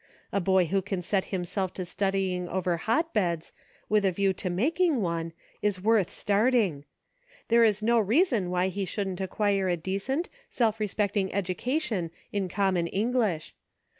A boy who can set himself to studying over hotbeds, with a view to making one, is worth starting. There is no rea son why he shouldn't acquire a decent, self respect ing education in common English.